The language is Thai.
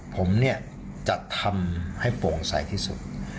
ผมเนี่ยจะทำให้โปร่งใสที่สุด